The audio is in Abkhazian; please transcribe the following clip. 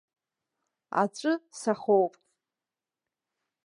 Аҵәы сахоуп.